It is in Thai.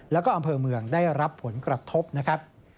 แล้วก็อำเภอเมืองได้รับผลกระทบนะครับ